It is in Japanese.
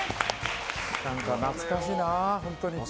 懐かしいな、本当に。